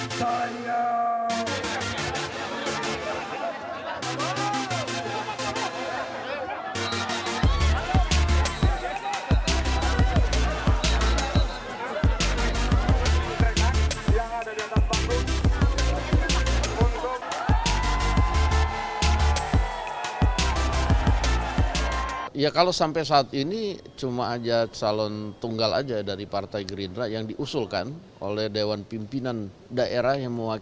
hai ya kalau sampai saat ini cuma aja calon tunggal aja dari partai gerindra yang diusulkan oleh dewan pimpinan daerah yang mewakili